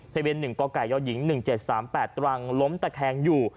ที่เป็น๑กย๑๗๓๘ตรังล้มแต่แคงอยู่